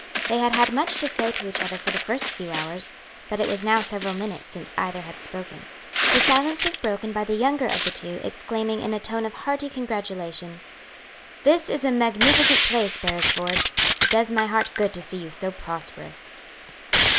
They had had much to say to each other for the first few hours, but it was now several minutes since either had spoken. The silence was broken by the younger of the two exclaiming in a tone of hearty congratulation, "This is a magnificent place, Beresford! It does my heart good to see you so prosperous!"